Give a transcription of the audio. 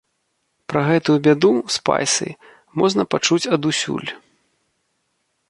Пра гэтую бяду, спайсы, можна пачуць адусюль.